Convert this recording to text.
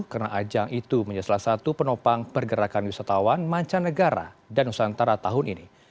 karena ajang itu menjadi salah satu penopang pergerakan wisatawan mancanegara dan usantara tahun ini